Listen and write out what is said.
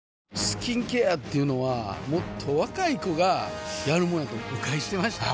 スキンケアっていうのはもっと若い子がやるもんやと誤解してました